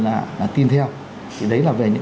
là tin theo thì đấy là về những